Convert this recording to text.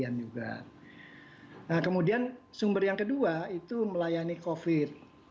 nah kemudian sumber yang kedua itu melayani covid